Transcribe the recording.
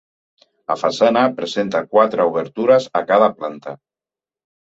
La façana presenta quatre obertures a cada planta.